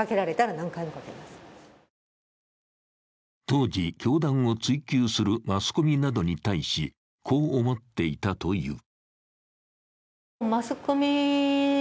当時、教団を追及するマスコミなどに対し、こう思っていたという。